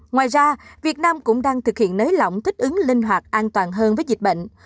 ngoài ra việt nam cũng đang thực hiện nới lỏng thích ứng linh hoạt an toàn hơn với dịch bệnh